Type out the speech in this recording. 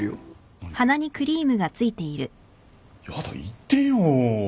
何が？やだ言ってよ。